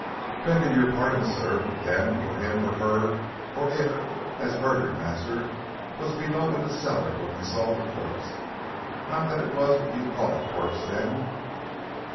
"Begging your pardon, sir, them, or him, or her, or it as murdered master was below in the cellar when we saw the corp not that it was what you'd call a corp then."